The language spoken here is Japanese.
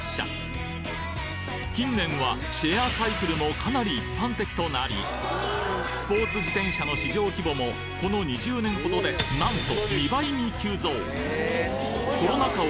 近年はシェアサイクルもかなり一般的となりスポーツ自転車の市場規模もこの２０年ほどでなんと！